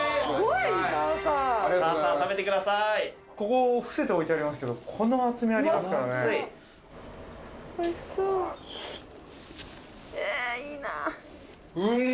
ここ伏せて置いてありますけどこの厚みありますからねおいしそうえいいなうまっ！